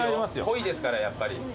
濃いですからやっぱり。